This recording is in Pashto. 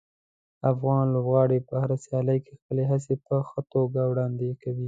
افغان لوبغاړي په هره سیالي کې خپلې هڅې په ښه توګه وړاندې کوي.